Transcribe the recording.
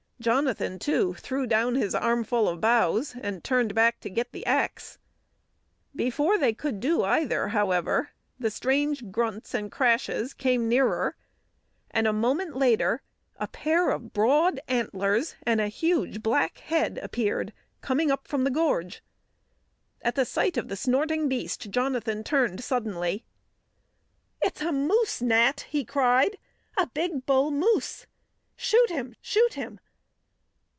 Jonathan, too, threw down his armful of boughs and turned back to get the axe. Before they could do either, however, the strange grunts and crashes came nearer, and a moment later a pair of broad antlers and a huge black head appeared, coming up from the gorge. At sight of the snorting beast, Jonathan turned suddenly. "It's a moose, Nat!" he cried. "A big bull moose! Shoot him! Shoot him!"